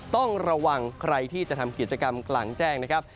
ต้องระวังใครที่จะทำกิจกรรมกลางแจ้งนะครับ